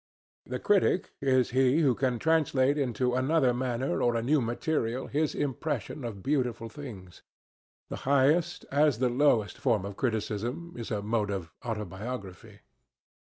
The critic is he who can translate into another manner or a new material his impression of beautiful things. The highest as the lowest form of criticism is a mode of autobiography.